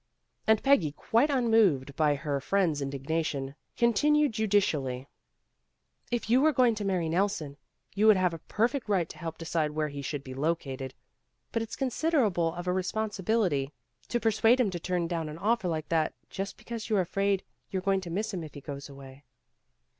And Peggy quite unmoved by her friend's indignation, continued judicially, "If you were going to marry Nelson, you would have a perfect right to help decide where he should be located. But it's considerable of a responsibility to persuade him to turn down an offer like that, just because you're afraid you're going to miss him if he goes away."